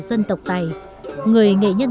dân tộc tây người nghệ nhân